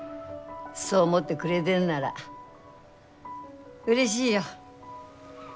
そう思ってくれでんならうれしいよ。